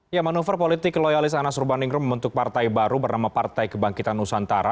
ya manuver politik loyalis anas urbaningrum membentuk partai baru bernama partai kebangkitan nusantara